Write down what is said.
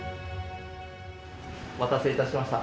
お待たせ致しました。